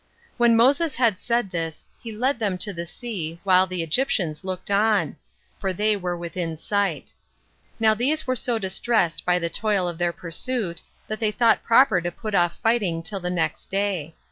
1. When Moses had said this, he led them to the sea, while the Egyptians looked on; for they were within sight. Now these were so distressed by the toil of their pursuit, that they thought proper to put off fighting till the next day.